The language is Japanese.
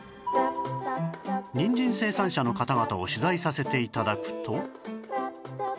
にんじん生産者の方々を取材させて頂くと